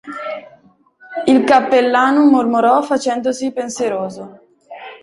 Il cappellano mormorò, facendosi pensieroso.